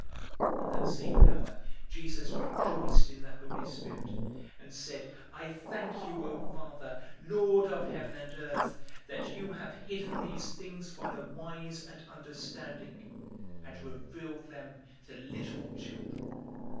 010:021 In that same hour Jesus rejoiced in the Holy Spirit, and said, "I thank you, O Father, Lord of heaven and earth, that you have hidden these things from the wise and understanding, and revealed them to little children.